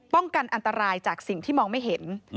กันอันตรายจากสิ่งที่มองไม่เห็น